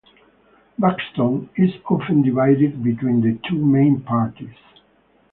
Buxton is often divided between the two main parties.